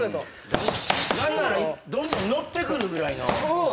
何ならどんどん乗ってくるぐらいの。